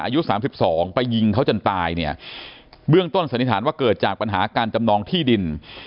อายุ๓๒ปายิงเขาจนตายเนี่ยเบื้องต้นสนิทานว่าเกิดจากปัญหาการจำนองที่ดิน